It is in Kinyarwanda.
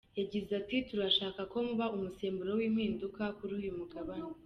Yagize ati “Turashaka ko muba umusemburo w’impinduka kuri uyu mugabane.